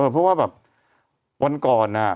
เพราะว่าแบบวันก่อน